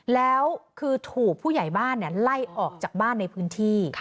แล้วคือถูกผู้ใหญ่บ้านไล่ออกจากบ้านในพื้นที่